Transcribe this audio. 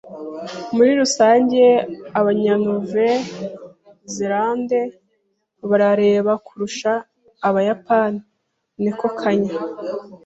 Muri rusange, Abanya Nouvelle-Zélande barebare kurusha Abayapani. (NekoKanjya)